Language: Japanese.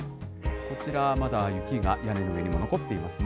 こちらはまだ雪が屋根の上に残っていますね。